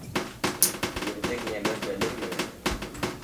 Ирҙең йәме белем менән.